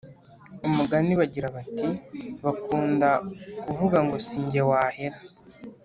umugani bagira bati: “Bakunda kuvuga ngo sinjye wahera